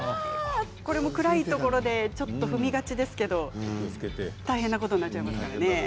これも暗いところでちょっと踏みがちですけど大変なことになってしまいますからね。